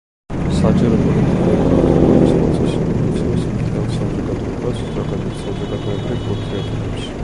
საჯარო-პოლიტიკური მმართველობის პროცესი მოიცავს მთელ საზოგადოებას, ზოგადად საზოგადოებრივ ურთიერთობებს.